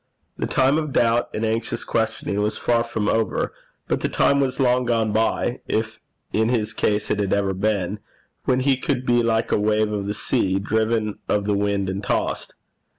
The time of doubt and anxious questioning was far from over, but the time was long gone by if in his case it had ever been when he could be like a wave of the sea, driven of the wind and tossed.